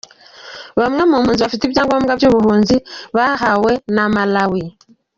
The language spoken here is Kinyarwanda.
Bamwe mu mpunzi bafite ibya ngombwa by’ubuhunzi bahawe na Malawi.